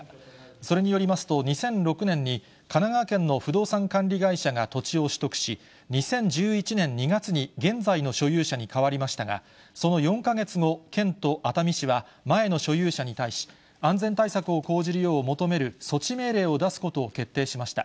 それによりますと、２００６年に神奈川県の不動産管理会社が土地を取得し、２０１１年２月に現在の所有者に変わりましたが、その４か月後、県と熱海市は、前の所有者に対し、安全対策を講じるよう求める措置命令を出すことを決定しました。